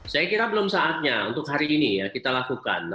saya kira belum saatnya untuk hari ini ya kita lakukan